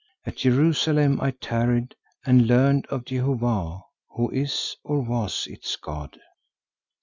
At Jerusalem I tarried and learned of Jehovah who is, or was, its God.